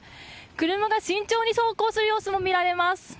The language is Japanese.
車が慎重に走行する様子も見られます。